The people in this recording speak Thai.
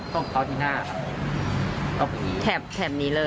ส่องเข้าที่หน้าแถบนี้เลย